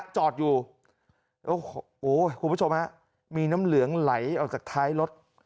จอดอยู่โอ้โหคุณผู้ชมฮะมีน้ำเหลืองไหลออกจากท้ายรถ